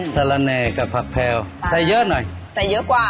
สาระแน่กับผักแพลวใส่เยอะหน่อยใส่เยอะกว่า